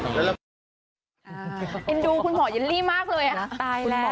เป็นดูคุณหมอเย็นลี่มากเลย